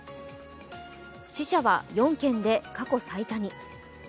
死者は４県で過去最多に。